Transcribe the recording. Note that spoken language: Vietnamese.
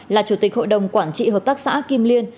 là chủ tịch hội đồng quản trị hợp tác xã kim liên